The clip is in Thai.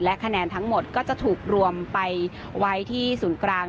คะแนนทั้งหมดก็จะถูกรวมไปไว้ที่ศูนย์กลาง